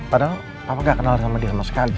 padahal papa gak kenal sama dia sama sekali